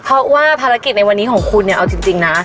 เพราะว่าภารกิจในวันนี้ของคุณเนี่ยเอาจริงนะ